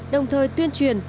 đồng thời tuyên truyền